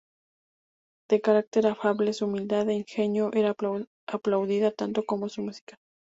De carácter afable, su humildad e ingenio era aplaudida tanto como su música.